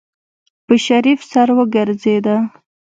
په شريف سر وګرځېده.